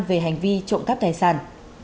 về hành vi trộm cắp tài sản